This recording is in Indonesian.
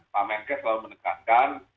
pak menteri kesehatan selalu mendekatkan